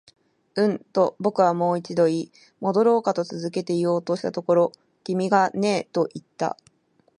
うん、と僕はもう一度言い、戻ろうかと続けて言おうとしたところ、君がねえと言った